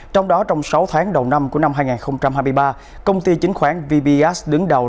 trong đó trong sáu tháng đầu năm của năm hai nghìn hai mươi ba công ty chính khoán vbs đứng đầu